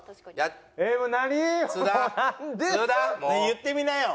言ってみなよ。